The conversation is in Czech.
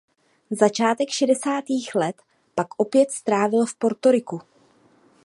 Začátek šedesátých let pak opět strávil v Portoriku.